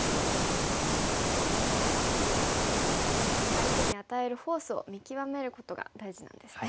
相手に与えるフォースを見極めることが大事なんですね。